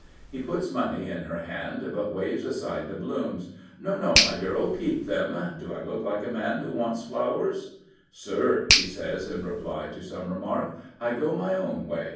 He puts money in her hand, but waves aside the blooms. " No, no, my girl, keep them. Do I look like a man that wants flowers? "" Sir," he says, in reply to some remark, " I go my own way.